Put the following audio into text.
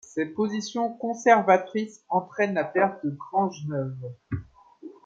Ces positions conservatrices entraînent la perte de Grangeneuve.